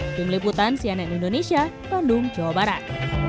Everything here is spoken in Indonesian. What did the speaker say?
dari meliputan cnn indonesia kandung jawa barat